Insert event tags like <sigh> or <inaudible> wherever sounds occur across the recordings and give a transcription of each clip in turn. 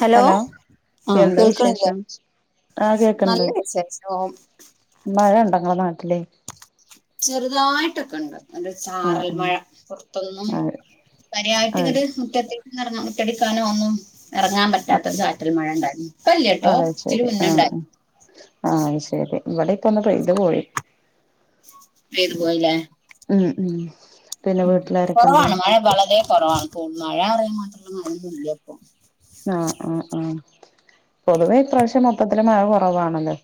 Hello ആഹ് എന്താ കേൾക്കണില്ലേ വിശേഷം ആ കേക്കണ്ട് നല്ല വിശേഷോ മഴ ഇണ്ടാങ്ങളെ നാട്ടില് ചെറുതായിട്ടൊക്കെ ഉണ്ട് ഒരു ആ ചാറൽ മഴ പുറത്തൊന്നും ആ പനിയായിട്ട് ആ ഇങ്ങട് മുറ്റത്തേക്ക് ഇറങ്ങ മുറ്റടിക്കാനോ ഒന്നും ഇറങ്ങാൻ പറ്റാത്തെരു ചാറ്റൽ മഴ ഉണ്ടായിരുന്നു ഇപ്പയില്ലാട്ടോ ഇച്ചിരി മുന്നെണ്ടായി ആഹ് അതുശെരി ഇവിടെപ്പെന്ന് പെട്ട് പോയി പേര് പോയില്ലേ ഉം ഉം പിന്നെ വീട്ടിലാരൊക്കെണ്ട് കൊറവാണ് മഴ വളരെ കുറവാണ് മഴ പറയൻ മാത്രമ മനൊന്നുംല്ല ഇപ്പൊ ആഹ് ആ ആ പൊതുവേ ഇ പ്രാവശ്യം മൊത്തത്തില മഴ കുറവാണല്ലോ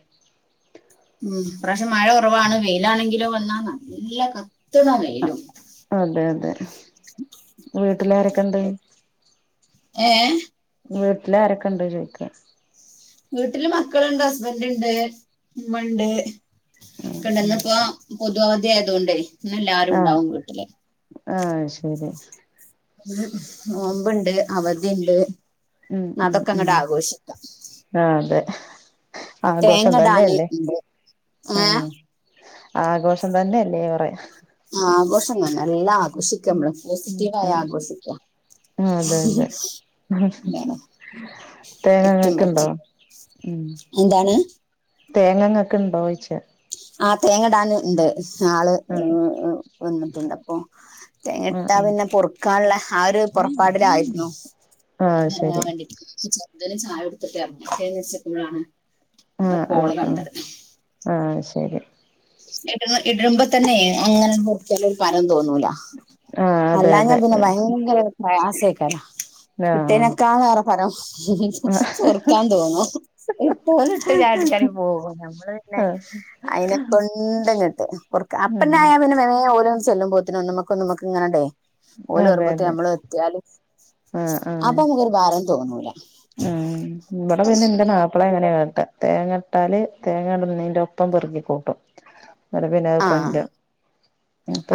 ഉം പ്രാവശം മഴ കുറവാണ് വെയിലാണെങ്കിലോ വന്നാ നല്ല കത്തുന്ന വെയിലും അതെ അതെ വീട്ടിലാരൊക്കെണ്ട്? ഏ വീട്ടിലാരൊക്കെണ്ട് ചോദിക്ക? വീട്ടില് മക്കളുണ്ട് ഹസ്ബൻറ്ണ്ട് ഉമ്മണ്ട്. കണ്ട് ന്നപ്പൊ പൊതു അവധി ആയതുകൊണ്ടെയ് ഇന്നെല്ലാരും ണ്ടാവും വീട്ടില്. ആഹ് അത് ശരി നോമ്പ്ണ്ട് അവധിണ്ട് അതൊക്കെ ങ്ങട്ട് ആഘോഷിക്കാം ആഹ് അതെ ആഘോഷം തേങ്ങ ഇടാന് തന്നെയല്ലേ ഉണ്ട് ഏഹ് ആഹ് ആഘോഷം തന്നെല്ലേ ഏറെ- ആ ആഘോഷം തന്നെ എല്ലാം ആഘോഷിക്ക മ്മള് ഉം പോസിറ്റീവ ആയി ഉം ആഘോഷിക്കാം ആഹ് അതെ അതെ ഉം എന്താണ് ഏറ്റവും തേങ്ങങ്ങക്ക്ണ്ടോ ബെറ്റർ ഉം എന്താണ് തേങ്ങ ങ്ങക്ക്ണ്ടോയിച്ച? ആഹ് തേങ്ങടാന് ണ്ട് ആള് ആഹ് ഏ വന്നിട്ടുണ്ട് അപ്പൊ ആഹ് തെങ്ങട്ടാ ആഹ് പിന്നെ പൊറുക്കാൻള്ള ആ ഒരു പൊറപ്പാടിലായിരുന്നു. ആഹ് അയിന് എറങ്ങാൻ ശരി വേണ്ടിട്ട് <unintelligible> തിന് ചായ കൊടുത്തിട്ട് <unintelligible> ക്കുമ്പോഴാണ് ങ്ങട ആഹ് കോള് ആഹ് ആഹ് കണ്ടത് ആഹ് അത് ശരി എടൂ ഇടുമ്പോ തന്നെ അങ്ങനെ നുറുക്കിയാലൊരു ഫലം തോന്നൂല. ആഹ് അതെ അല്ലാ അതെ ഞാൻ പിന്നെ ഭയങ്കര പ്രയാസയിക്കരാ ആഹ് ഇട്ടേനെക്കാളെറെ പരം പൊറുക്കാൻ തോന്നും ഇട്ടോല്ട്ട് ചാടിച്ചാടി പോകും നമ്മള് പിന്നെ ആഹ് ശരി കൊണ്ട്ങ്ങട്ട് പൊർ അപ്പന്നെ ആയാ പിന്നെ വേനേ ഓരോ ചെല്ലുമ്പോത്തിനും ഒന്നുമക്ക ഒന്നുമക്ക് ങ്ങനടെയ് ഓല് അതെ വരുമ്പോത്തിന് അതെ അമ്മള് എത്തിയാലും ആഹ് ആഹ് തോന്നൂല ആഹ് ഇബടെ പിന്നെ ന്റെ നാ അപ്പളെ കൂടെ എങ്ങനെയാട്ട തേങ്ങട്ടാല് തേങ്ങ ഇടുന്നയിന്റൊപ്പം പെറുകി ക്കൂട്ടും അപ്പ പിന്നെ അത് കൊണ്ട്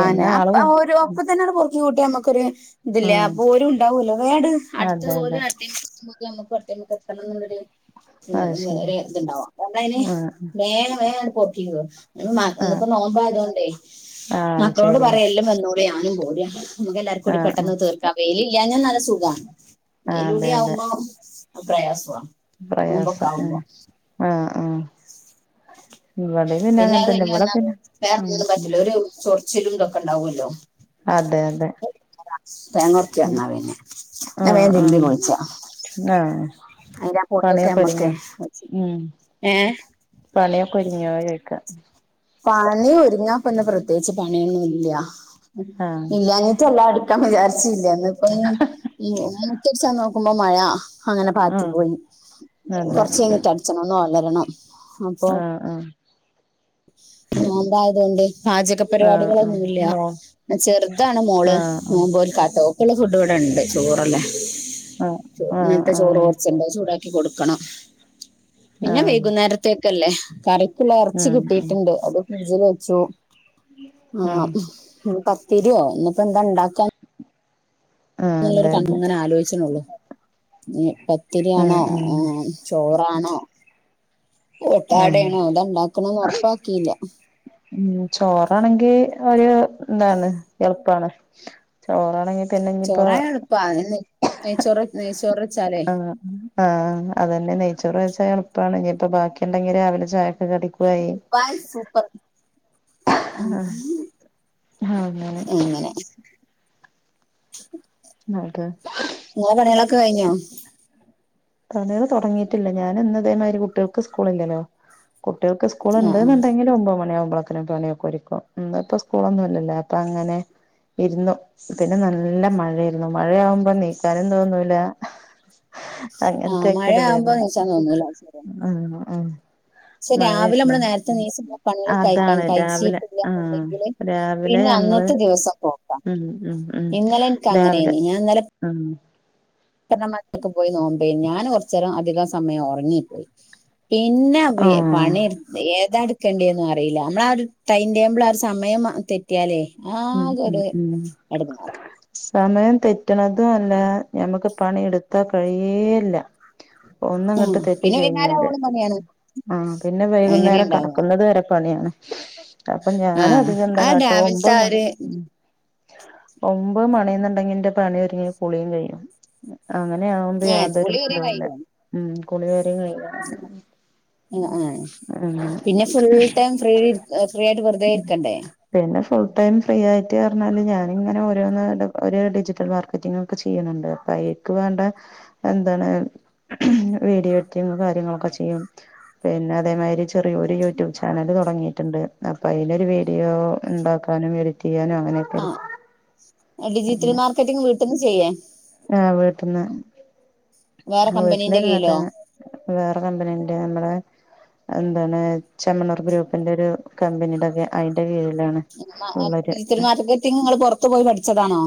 ആഹ് നാ പ്പ ഒരു അപ്പൊ തന്നെ ങ്ങ്ട് പെറുക്കി കൂട്ടി മ്മക്കൊരു ഇതില്ലേ ആഹ് അപ്പൊ ഒരു ണ്ടാവോല്ലോ വേങ്ങട് അതെ അടുത്തത് ഓര് അതെ നമ്മക്ക് നമ്മക്കും അടുത്തേമ്മക്ക് എത്തണന്ന്ള്ളൊരു അത് ശരി രെ ത്ണ്ടാവാ കണ്ട അയിന് ആഹ് വേഗ വേഗം അങ്ങ്ട് പൊറുക്കിക്കൊ മ ആഹ് ഇന്ന്പ്പോ നോമ്പയതൊണ്ടേയ് ആഹ് മക്കളോട് ശരിയാ പറയ എല്ലാം വന്നൂടി ഞാനും പോരാ മ്മക്കെല്ലാർക്കുംകൂടി ആഹ് ആഹ് പെട്ടന്ന് തീർക്കാം വെയില് ഇല്ലാഞ്ഞാൽ നല്ല സുഖ ആഹ് അതെ വെയിലൂടെ ആവുമ്പോ പ്രയാസവാ പ്രയാസ ഉം ആഹ് ആഹ് ഇവടെ പിന്നെ അങ്ങനെ തന്നെ ഇവിടെ പിന്ന ഉം ഉം <unintelligible> ചിലും ന്തൊക്കെണ്ടാവല്ലോ അതെ അതെ തേങ്ങുർക്കി ഉം വന്നാ പിന്നെ ഞാൻ ആഹ് വേം തിര്മ്പി ആഹ് കുളിച്ച ആഹ് അയിന്റാ പൊടിയൊക്കെ പണിയൊക്കെ ഒരുങ്ങിയോ നമ്മക്കെയ് <unintelligible> ഉം ഏഹ് പണിയൊക്കെ ഒരുങ്ങിയോ ചോയ്ക്ക പണി ഒരുങ്ങാപ്പിന്ന പ്രത്യേകിച്ച് പണിയൊന്നും ഇല്ല ആഹ് ഇല്ലാഞ്ഞിട്ടല്ല അടി ടിക്കാം വിചാരിച്ചില്ല ന്ന്പ്പൊ ഇനി മുറ്റടിച്ചം നോക്കുമ്പോ മഴ അങ്ങനെ പാറ്റി ആഹ് പോയി അതെ കൊറച്ചയ്ഞ്ഞിട്ട് അടിച്ചണം ഒന്ന് ഒലരണം അപ്പൊ ആഹ് ആഹ് നോമ്പായതൊണ്ട് പാചക ആഹ് ആഹ് പരിപാടികളൊന്നുമില്ല നോ പിന്ന ചെറുതാണ് മോള് ആഹ് ആഹ് <unintelligible> ക്കാട്ടോ നമക്കുള്ള ഫുഡ് ഇവിടെ ഉണ്ട് ചോറല്ലേ ആഹ് ആഹ് ഇന്നത്തെ ചോറ് ആഹ് കുറച്ചുണ്ട് അത് ചൂടാ ക്കി കൊടുക്കണം പിന്നെ ആഹ് വൈകുന്നേരത്തെക്കല്ലേ കറിക്കുള്ള ഇറച്ചി കി ഉം ഉം <unintelligible> അത് ഫ്രിഡ്ജിൽ വെച്ചു ഉം ആഹ് <unintelligible> ത്തിരിയൊ ഇന്നിപ്പോ എന്താ ഇണ്ടാക്കാൻ ആഹ് ഉള്ളൊരു അതെ അതെ കൺങ്ങനെ ആലോചിച്ചണുള്ളൂ ഇന്ന് ഉം പത്തിരിയാണോ ഉം ചോറാണോ, ഉം ഓട്ടാടണോ, അത്ണ്ടാക്കണന്ന് ഉറപ്പാക്കിയില്ല. ഉം ചോറാണെങ്കി ഒരു എന്താണ്, എളുപ്പാണ് ചോറാണെങ്കി- പിന്നെ ഇനിയിപ്പോ ചോറാണ് എളുപ്പണു നെയ്ചോറ്- ആഹാ.. ആഹ് അതന്നെ നെയ്ച്ചോറ് വച്ച എളുപ്പാണ് ഇനിയിപ്പ ബാക്കി ഉണ്ടെങ്കില് രാവിലെ ചായൊക്കെ കടി- ആയ് സൂപ്പർ. ഉം അങ്ങനെ. ഉം. <inaudible> ന്നിട്ട്. നിങ്ങളെ പണികളൊക്കെ കഴിഞ്ഞോ? പണികൾ തുടങ്ങിയിട്ടില്ല, ഞാൻ ഇന്നതേമാതിരി കുട്ടികൾക്ക് സ്കൂള ഇല്ലല്ലോ? കുട്ടികൾക്ക് സ്കൂള ആ ആ ഉണ്ടന്നുണ്ടെങ്കിൽ ഒമ്പത് മണിയാവുമ്പളേ- അ പണിയൊക്കെ ഒരുക്കും ഇപ്പ സ്കൂളൊന്നും ഇല്ലല്ലേ അപ്പോ അങ്ങനെ. ഇരുന്നു പിന്നെ നല്ല മഴായിരുന്നു. മഴയാകുമ്പോ നീക്കാനും തോന്നൂല. ആ മഴ അങ്ങനത്തക്കരുതല്ല. ആവുമ്പോ നീച്ചാൻ തോന്നൂല ആഹ, ആഹ, പക്ഷെ രാവിലെ മഴായിരുന്നു നമ്മള് നേരത്തെ നീച്ച് പണികൾ കഴിക്കാൻ അതാണ് രാവിലെ. ആഹാ, കഴിച്ചിട്ടില്ലാന്നുണ്ടെങ്കില് രാവിലെ പിന്നെ നമ്മള്, അന്നത്തെ ദിവസം പോക്കാ ഉം.. ഇന്നലെ എനിക്ക് രാവിലെ, അങ്ങനെനി ഉം... പക്കെ പോയി നോമമ്പ ഞാൻ- കുറച്ച നേരം അധികം സമയം ഉറങ്ങി. പിന്നെ ആഹ് പണി- ഏതാ എടുക്കണ്ടന്നും അറിയില്ല, നമ്മള ഒരു ടൈം ടേബിൾ ആഹാ സമയം തെറ്റിയാലേ- ഉം ആകെ ഉം ഒരൂ ഉം എടങ്ങേറാ. സമയം തെറ്റണതും അല്ല, ഞമ്മുക്ക് പണി എടുത്താൻ കഴിയേയില്ല. ഒന്നിങ്ങ്ട്ട് ഉം പിന്നെ വൈന്നേരം തെറ്റിക്കഴിഞ്ഞാല്. ആവോളം പണിയാണ് ആഹ പിന്നെ അങ്ങനെ വൈകുന്നേരം- ഉണ്ടാവുക കിടക്കുന്നത് വരെ പണിയാണ്. അപ്പോ ഞാൻ ആഹ് അധികെന്ത ആ കാട്ടാ രാവിലത്തെ ഒമ്പത് ആ മണി - ഒരു ഉം ഒമ്പത് മണിന്നുണ്ടെങ്കിന്റെ പണി- ഒരുങ്ങം കുളിയും കഴിയും. അങ്ങനെയ ആകുമ്പോ- ഏഹ് യാതൊരു കുളി വരെ ഇതല്ല, ഉം കുളികാര്യങ്ങള- ആഹാ, ആഹ... അങ്ങനെ പിന്നെ ഫുൾ ടൈം ഫ്രീ, ഫ്രീ ആയിട്ട് വെറുതെ ഇരിക്കണ്ടേ. പിന്നെ ഫുൾ ടൈം ഫ്രീ ആയിട്ട്- പറഞ്ഞാല് ഞാനിങ്ങനെ ഓരോന്ന്, ഒരു ഡിജിറ്റൽ മാർക്കറ്റിംഗ്- ഒക്കെ ചെയ്യുന്നുണ്ട്. അപ്പോ അയക്ക് വേണ്ട- എന്താണ് വീഡിയോ എഡിറ്റിങ്- കാര്യങ്ങളൊക്കെ ചെയ്യും. പിന്നെ അതേമാതിരി ചെറിയൊരു- യൂട്യൂബ് ചാനല് തുടങ്ങിയിട്ടുണ്ട്. അപ്പോ അതിനൊരു വീഡിയോ- ഉണ്ടാക്കാനും, എഡിറ്റ്‌ ചെയ്യാനും അങ്ങനെ. ആഹാ ഡിജിറ്റൽ മാർക്കറ്റിങ് വീട്ടിൽന്ന് ചെയ്യേ? ആഹ് വീട്ടിൽന്ന്, വേറെ കമ്പനീന്റെ കീഴിലോ വീട്ടിലായിരുന്നുതന്നെ. വേറെ കമ്പനിയൻറെ നമ്മടെ- എന്താണ് ചെമ്മണൂർ ഗ്രൂപ്പിന്റെ ഒരു കമ്പനീടൊക്കെ അതിന്റെ- കീഴിലാണ്. ഉള്ളൊരു ഡിജിറ്റൽ മാർക്കറ്റിങ് നിങ്ങള്- പുറത്തു പോയി പഠിച്ചതാണോ?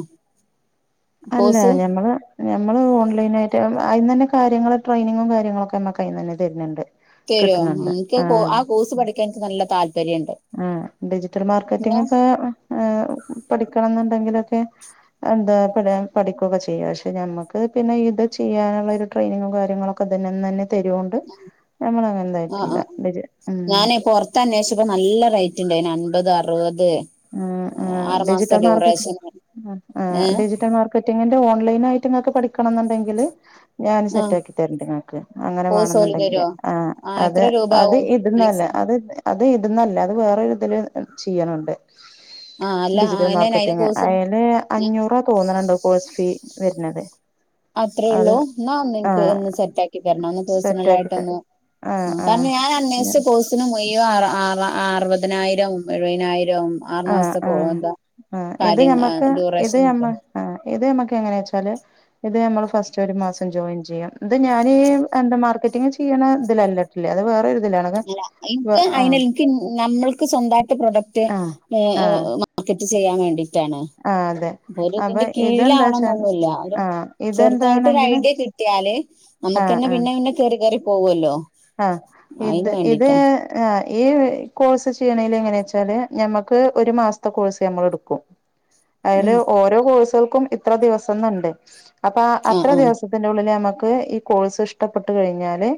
അല്ല കോഴ്സ് ഞമ്മള്- ഞമ്മള് ഓൺലൈനായിട്ട്, അതിന് തന്നെ കാര്യങ്ങൾ ട്രെയിനിങ്ങും, കാര്യങ്ങളൊക്കെ നമ്മുക്ക് അതിന്ന്- തന്നെ തരുന്നുണ്ട്. തരോ? കിട്ടുന്നുണ്ട് എനിക്ക് ആ കോഴ്സ് പഠിക്കാൻ എനിക്ക് നല്ല താല്- ആഹാ ഡിജിറ്റൽ മാർക്കറ്റിംഗ്- ഇപ്പോ പഠിക്കണം- എന്നുണ്ടെങ്കിലൊക്കെ- എന്താ പഠിക്കുകൊക്കെ ചെയ്യ. പക്ഷെ നമ്മക്ക് പിന്നെ ഇത്- ചെയ്യാനുള്ള ഒരു ട്രെയിനിങ്ങും, കാര്യങ്ങളൊക്കെ. ക്കൊതന്നന്നന്നെ തെരോണ്ട് നമ്മളങ്ങനെ എന്താ <unintelligible> ജ് <unintelligible> ഇതന്വേഷിച്ചപ്പൊ നല്ല റൈറ്റ് ഇണ്ടായിന് അൻപത് അറുപത് ആഹ് ആഹ് ആറു മാസത്തെ ഡിജിറ്റൽ മാർകറ്റ് ഡ്യൂറേഷൻ ആഹ് ഏ ഡിജിറ്റൽ മാർ ക്കറ്റിങ്ങിന്റെ ഓൺലൈൻ ആയിട്ട് ഇങ്ങക്ക് പഠിക്കണംന്നുണ്ടെങ്കില് ഞാൻ ആ സെറ്റാക്കി തരണ്ട് ഇങ്ങക്ക് അങ്ങനെ കോഴ്സ് ഓല് വേണെന്നുണ്ടെങ്കില് തരുവോ ആഹ് ആ അത് എത്ര രൂപ അത് ആവും ഇത്‌ന്നല്ല മാക്സിമം അത് അത് ഇത്‌ന്നല്ല അത് വേറൊരിതില് ചെയ്യണ്‌ണ്ട് ആ അല്ല ഡിജിറ്റൽ അതിന് അതിന് മാർക്കറ്റിങ് കോഴ്സിന് അയിന് അഞ്ഞൂറ തോന്നണ്‌ണ്ട് കോഴ്സ് ഫീ വര്ണത് അത്രയേ ഉള്ളൂ എന്നാ ഒന്ന്ൻക്ക് അതൊന്ന് സെറ്റാക്കി തരണം ഒന്ന് സെറ്റ് ആക്കിട്ട് പേഴസണലായിട്ടൊന്ന് ആഹ് കാരണം ഞാൻ അന്വേഷിച്ച കോഴ്സ് ത്തിന് മുയ്‌വൻ ആള ആറ ആറുപതിനായിരം എഴുപതിനായിരവും ആറു ആഹ് മാസ കോ ആഹ് എന്താ ആഹ് ഇത് കാര്യം ആഹ് ഞമ്മക്ക് ഇത് ഡ്യൂറേഷൻ ഞമ്മ ഒക്കെ ആഹ് ഇത് നമ്മക്ക് എങ്ങനെച്ചാല് ഇത് നമ്മള് ഫസ്റ്റ് ഒരു മാസം ജോയിൻ ചെയ്യാ ഇത് ഞാന് ഈ എന്താ മാർക്കറ്റിംഗ് ചെയ്യണ ഇതിലല്ല ഇല്ല അത് വേറൊരു ഇതിലാണ് ഇല്ല ഇൻക്ക് അയിന് ഇൻക്ക് നമ്മൾക്ക് സ്വന്തായിട്ട് പ്രൊഡക്റ്റ് ആഹ് ഏഹ് ആഹ് ഏഹ് മാക്കറ്റ് ചെയ്യാൻ വേണ്ടിട്ടാണ് ആഹ് അതെ അപ്പൊ ഒര് ഇതിന്റെ കീഴിലാവണംന്നൊന്നുല്ല ഒരു ആഹ് ചെറുതായിട്ട് ഒരു ഇതെന്താണെങ്കില് ഐഡിയ കിട്ടിയാല് ആഹ് നമ്മക്കന്നെ ആഹ് പിന്നെ പിന്നെ കയറി കയറി പോകൊല്ലോ ആഹ് ഇത് ഇത് ആഹ് ഈ കോഴ്സ് ചെയ്യണേല് എങ്ങനേച്ചാല് ഞമ്മക്ക് ഒരു മാസത്തെ കോഴ്സ് നമ്മള് എടുക്കും അയില് ഉം ഓരോ കോഴ്സുകൾക്കും ഇത്ര ദിവസംന്നുണ്ട് അപ്പൊ ആ അത്ര ആ ദിവസം ന്റെ ഉള്ളില് നമ്മക്ക് ഈ കോഴ്സ് ഇഷ്ടപ്പെട്ട് കഴിഞ്ഞാല്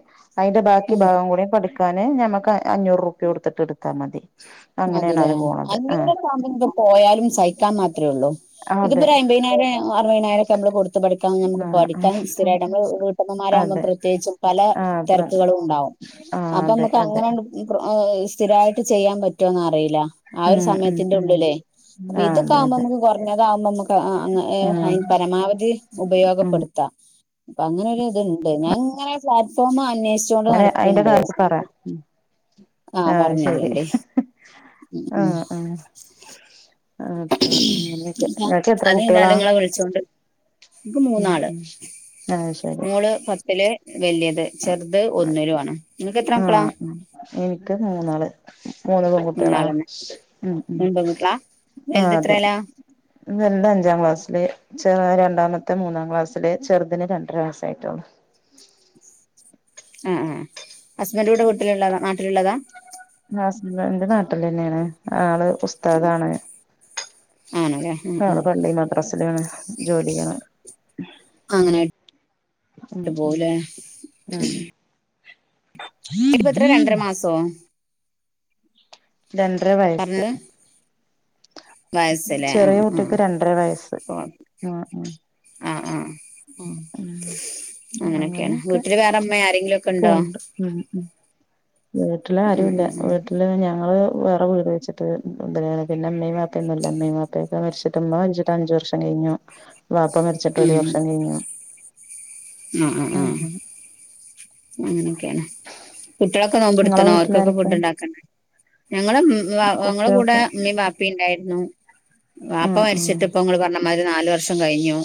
അയിന്റെ ബാക്കി ഉം ഭാഗം കൂടി പഠിക്ക ക്കാന് ഞമ്മക്ക് അഞ്ഞൂറ് ഉർപ്യ കൊടുത്തിട്ട് ഇടുത്താ മതി മതി അങ്ങനെയാണ് ലേ അത് പോണത് ആഹ് അഞ്ഞൂറ് ഇപ്പ <unintelligible> പോയാലും സഹിക്കാൻ മാത്രെ ഉള്ളൂ ഇതിപ്പോ അതെ ഒരു അയ്മ്പീനായിരം അറുപതിനായിരൊക്കെ നമ്മള് കൊടുത്ത് പഠിക്കാൻ നമ്മക്ക് ആഹ് പഠിക്കാൻ സ്ഥിരായിട്ട് നമ്മള് വീ ട്ടമ്മമാരാകുമ്പം അതെ പ്രത്യേകിച്ചും പല ആഹ് പ്ര തെരക്കുകളും ഉണ്ടാവും ആഹ് അപ്പൊ അതെ നമ്മക്ക് അതെ അങ്ങനെ ആണ്ട് ഇനിപ്പൊ അഹ് സ്ഥിരായിട്ട് ചെയ്യാൻ പറ്റോന്നറിയില്ല ആ ഒരു ഉം ഉം സമയത്തിന്റെ ഉം ഉള്ളിലേ അപ്പൊ ആഹ് ഇതൊക്കെ അതെ ആകുമ്പോ അതെ നമ്മക്ക് കൊറഞ്ഞതാകുമ്പ നമ്മക്ക് ആഹ് അങ്ങ ഏഹ് ഉം അയിന് പരമാവധി ഉം ഉപയോഗപ്പെടു ത്ത. അപ്പ അങ്ങനെ ഒര് ഇത്ണ്ട് ഞാൻ ഇങ്ങനെ പ്ലാറ്റ്ഫോമ് അന്വേഷി ഇപ്പൊങ്ങനെ അയിന്റെ കാര്യത്ത് പറിയ ആ ആഹ് പറഞ്ഞ് ശരി തരേണ്ടി ആഹ് ആഹ് ആച്ചാ അങ്ങനെയക്കെ അൻക്ക് എത്ര കുട്ടിയളാ? ഇൻക്ക് മൂന്നാള് ശരി മോള് പത്തില് വല്ല്യത്, ചെർത് ഒന്നിലു ആണ്. ഇങ്ങക്ക് എത്ര മക്കളാ? ഇൻക്ക് മൂന്നാള് മൂന്ന് പെൺകുട്ടികളാ മൂന്നാളന്നെ ഉം ഉം മൂന്ന് പെൺകുട്ടികളാ വലുത് ആഹ് അതെ എത്രേലാ വൽത് അഞ്ചാം ക്ലാസ്സില് ചോ രണ്ടാമത്തെ മൂന്നാം ക്ലാസ്സില് ചെറുതിന് രണ്ടര വയസ്സ് ആയിട്ടുള്ളൂ ആഹ് ആഹ് അഹ് ഹസ്ബൻഡ് ഇവടെ വിട്ടില്ള്ളതാ നാട്ടില്ള്ളതാ ഹസ്ബൻഡ് നാട്ടിലന്നേണ് ആള് ഉസ്താദാണ് ആണ് ല്ലേ ആള് പള്ളി മദ്രസില് ജോലി ചെയ്യ്ണാണ് അങ്ങനെ ഉം ആയിട്ട് ഉം പോകുലെ ഉം <inaudible> <unintelligible> ഇപ്പത്രെ, രണ്ടര മാസോ? രണ്ടര വയസ്സ്. പറഞ്ഞത് വയസ്സല്ലേ ആ ചെറിയ ആ കുട്ടിക്ക് രണ്ടര വയസ്സ് ഉം ഉം. ആഹ് ആ. ഉം അങ്ങനെക്കേണ്. അങ്ങനെയൊക്കെ വീട്ടില് വേറെ അമ്മേ ആരെങ്കിലുക്കെ ഇണ്ടോ? പോണ്ട് ഉം ഉം വീട്ടില് ആരൂല്ല. വീട്ട ല് ഞങ്ങള് വേറെ വീട് വെച്ചിട്ട് എന്താണ് പിന്നെ ഇമ്മ ബാപ്പയൊന്നും ഇല്ല. ഇമ്മേം ബാപ്പേം <unintelligible> ഇമ്മ മരിച്ചിട്ട് അഞ്ചു വർഷം കഴിഞ്ഞു. വാപ്പ മരിച്ചിട്ട് ഒരു വർഷം കഴിഞ്ഞു. ഉം ഉം ഉം. ഉം അങ്ങനെക്കെണ്. കുട്ടികളൊക്കെ നിങ്ങളെ നോമ്പടുത്തണോ? ഓർക്കൊക്കെ വീട്ടിലാരൊക്കെ ഫുഡ് ഉണ്ടാക്കണ്ടെ? ഞങ്ങള ഞങ്ങളെ കൂടെ കുട്ടികൾക്ക് ഇമ്മേം ബാപ്പേം ഉണ്ടായിരുന്നു. ബാപ്പ ആഹ് മരിച്ചിട്ട് ഇപ്പ ങ്ങള് പറഞ്ഞമാതിരി നാല് വർ ഷം കഴിഞ്ഞു,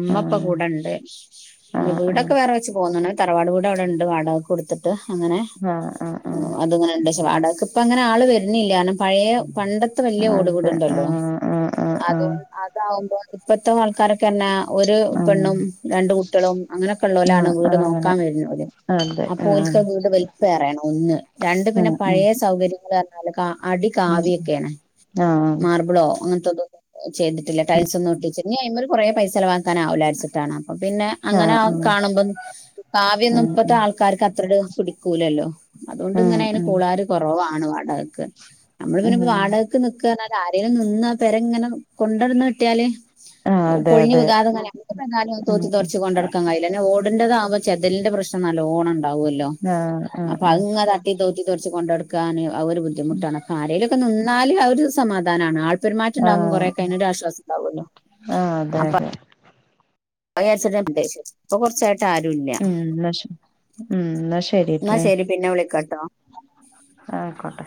ഉമ്മപ്പൊ ആഹ് കൂടെണ്ട്. ആഹ് വീടൊക്കെ വേറെ വെച്ച് പോന്ന്ണ്. തറവാട് വീട വ്ടണ്ട് വാടകക്ക് കൊടുത്തിട്ട് അങ്ങനെ. ആഹ് ആഹ് ആഹ് ആഹ് അതുങ്ങനെ എന്താച്ചാ വാടകക്ക് പ്പ അങ്ങനെ ആള് വരുന്നില്ലാനും. പഴെ പണ്ടത്തെ ആഹ് വല്ല്യ ഓട് അതെ വീടുണ്ടല്ലോ? ആഹ് ആഹ് ആഹ് അതൊണ് അത <unintelligible> ഇപ്പത്ത ആൾക്കാരൊ പിന്നെ ഒരു ആഹ് ആഹ് പെണ്ണും ആഹ് രണ്ട് കുട്ടളും അങ്ങനെയൊക്കെ ഇള്ളോലാണ് വീട് അങ്ങനെ നോക്കാൻ വരുന്നത്. അതെ അപ്പൊ ആഹ് ഓൽക്കാ വീട് വൽപ്പേറാണ് ഒന്ന്, രണ്ട് ആഹ് പിന്നെ ആഹ് ഉം പഴേ സൗകര്യങ്ങള <unintelligible> അടി കാവിയൊക്കേണ്. ആഹ് മാർബിളോ അങ്ങനത്തെതൊ <unintelligible> ചെയ്തിട്ടില്ല. ടൈൽസൊന്നും ഒട്ടിച്ച് ഞ് അയ്മല് കുറേ പൈസ ചെലവാ ക്കാനാവുല്ലാരിച്ചിട്ടാണ്. അപ്പൊ പിന്നെ ആഹ് അങ്ങനെ ആഹ് കാണുമ്പം കാവിയൊന്നും, ഉം ഇപ്പത്തെ ആൾക്കാർക്ക് അത്രട് പിടിക്കൂലല്ലോ? ഉം അതുകൊണ്ടിങ്ങനെ അതിന് ഉം കൂളാര് കൊറവാണ് വാട ക്ക് നമ്മള് ഉം പിന്നങ്ങനെ ഉം വാടക ക്ക് നിക്ക എന്ന ആരെലും നിന്നാ പര ഇങ്ങനെ കൊണ്ടടന്ന് കിട്ടിയാല്, ആഹ് അതെ പൊളിഞ്ഞു അതെ വികാതങ്ങനെ നിക്ക് പന്നാലും ഉം തോത്തിത്തുടച്ച് കൊണ്ടടുക്കാൻ കഴിയൂല്ല. ഓടിന്റെ താവുമ്പ ചെതലിന്റെ പ്രശ് നല്ലോണം ഉണ്ടാവോല്ലോ? ആഹ് ആഹ് അപ്പൊ ആഹ് അത്ങ്ങനെ തട്ടി തോത്തി തൊടച്ച് കൊണ്ടടുക്കാന് ആ ഒരു ബുദ്ദി ദ്ധിമുട്ടാണ്. അപ്പൊ ആരേലൊക്കെ നിന്നാല് അതൊരു സമാധാനാണ്. ആൾ പെരുമാറ്റണ്ടാവുമ്പോ ആഹ് കുറേക്ക അയിനൊരു ആശ്വാസ ഉണ്ടാവോല്ലോ. ആഹ് അതെ അതെ. <unintelligible> പ്പൊ കുറച്ചായിട്ട് ആരുല്ല്യ. ഉം ന്നാ ശ ഉം എന്നാ എന്നാ ശരിട്ടിലെ. ശരി പിന്നെ വിളിക്കാട്ടോ. ആയിക്കോട്ടെ.